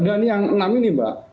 dan yang enam ini mbak